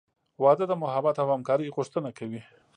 • واده د محبت او همکارۍ غوښتنه کوي.